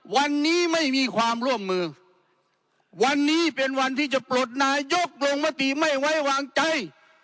วันนี้ไม่มีความร่วมมือวันนี้เป็นวันที่จะปลดนายกลงมติไม่ไว้วางใจ